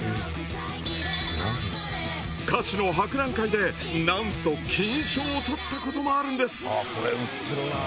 菓子の博覧会でなんと金賞をとったこともあるんです。